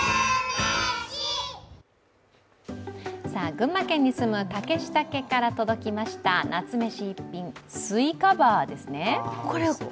群馬県に住む竹下家から届きました夏メシ一品、スイカバーですね。